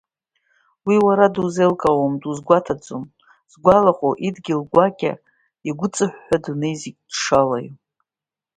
Уи, уара дузеилкаауам, дузгәаҭаӡом, згәалаҟоу, идгьыл гәакьа игәыҵаҳәҳәа адунеи зегьы дшалаиоу.